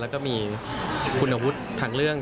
และก็มีคุณอาวุธทางเรื่อง